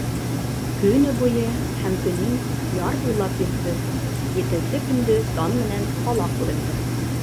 Көнө буйы һәм төнөн яр буйлап йөҙҙөк, етенсе көндө тан менән ҡала күренде.